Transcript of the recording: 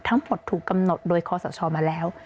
ทั้งหมดถูกกำหนดโดยคอสชมาแล้ว